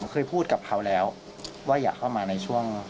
เคยพูดกับเขาแล้วว่าอยากเข้ามาในช่วง